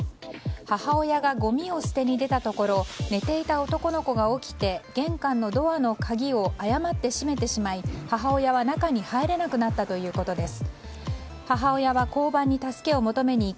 母親がごみを捨てに出たところ寝ていた男の子が起きて玄関のドアの鍵を誤って閉めてしまい母親は中に入れなくなったということです。